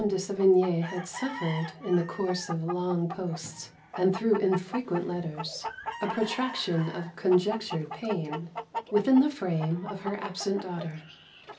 de Sevigne had suffered, in the course of long posts and through infrequent letters a protraction of conjectured pain within the frame of her absent daughter.